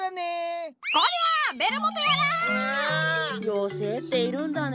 妖精っているんだね。